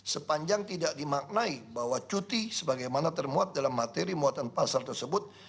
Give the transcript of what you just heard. sepanjang tidak dimaknai bahwa cuti sebagaimana termuat dalam materi muatan pasar tersebut